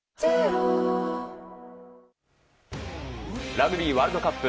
ラグビーワールドカップ